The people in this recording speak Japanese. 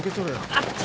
あっちょ。